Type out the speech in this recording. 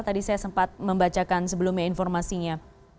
tadi saya sempat membacakan sebelumnya informasinya